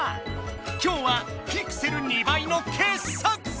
今日はピクセル２倍の傑作選！